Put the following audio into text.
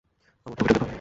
আমার টুপিটা দেখো!